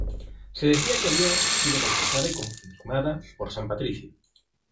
Se decía que había sido bautizada y confirmada por San Patricio.